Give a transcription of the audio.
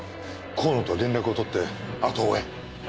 河野と連絡を取ってあとを追え。